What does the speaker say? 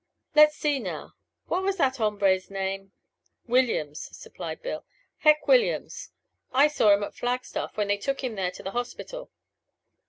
Let's see now what was that hombre's name?" "Williams," supplied Bill "Heck Williams. I saw him at Flagstaff when they took him there to the hospital.